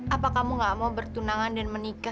apa kamu gak mau bertunangan dan menikah